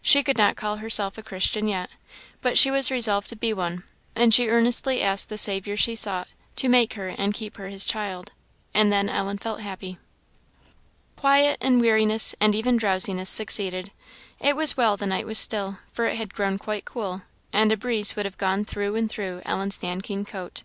She could not call herself a Christian yet, but she was resolved to be one; and she earnestly asked the Saviour she sought, to make her and keep her his child. And then Ellen felt happy. Quiet, and weariness, and even drowsiness, succeeded. It was well the night was still, for it had grown quite cool, and a breeze would have gone through and through Ellen's nankeen coat.